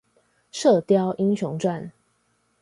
射鵰英雄傳